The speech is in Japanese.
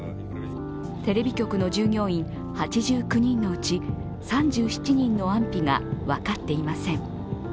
テレビ局の従業員８９人のうち３７人の安否が分かっていません。